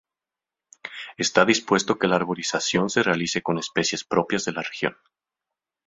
Está dispuesto que la arborización se realice con especies propias de la región.